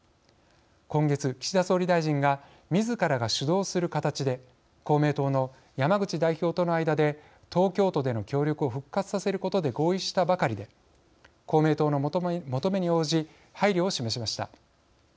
今月、岸田総理大臣がみずからが主導する形で公明党の山口代表との間で東京都での協力を復活させることで合意したばかりで公明党の求めに応じ配慮を示しました。